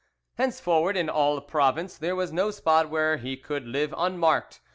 "Henceforward in all Provence there was no spot where he could live unmarked.